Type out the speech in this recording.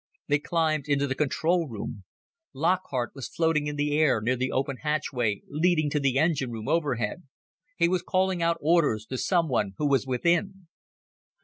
They climbed into the control room. Lockhart was floating in the air near the open hatchway leading to the engine room overhead. He was calling out orders to someone who was within.